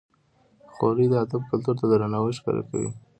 خولۍ د ادب کلتور ته درناوی ښکاره کوي.